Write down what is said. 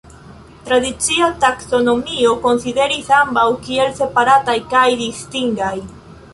Tradicia taksonomio konsideris ambaŭ kiel separataj kaj distingaj.